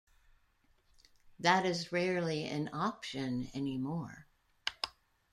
That is rarely an option anymore.